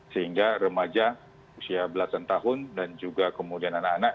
sehingga remaja usia belasan tahun dan juga kemudian anak anak